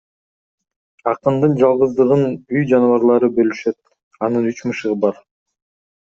Акындын жалгыздыгын үй жаныбарлары бөлүшөт — анын үч мышыгы бар.